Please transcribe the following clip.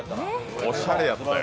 おしゃれやったよ。